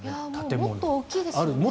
もっと大きいですよね。